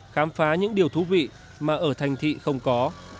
khám phá những điều thú vị mà ở thành thị không có